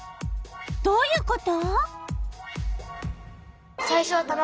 どういうこと？